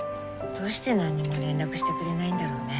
どうして何も連絡してくれないんだろうね。